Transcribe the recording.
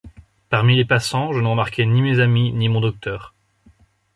Parmi les passants je ne remarquai ni mes amis ni mon docteur.